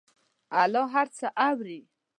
الله هر څه اوري.